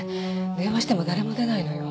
電話しても誰も出ないのよ。